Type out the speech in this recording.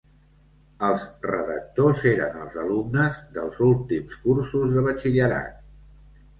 Els redactors eren els alumnes dels últims cursos de batxillerat.